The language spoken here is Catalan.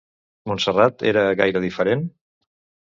Montserrat era gaire diferent?